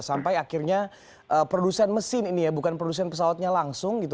sampai akhirnya produsen mesin ini ya bukan produsen pesawatnya langsung gitu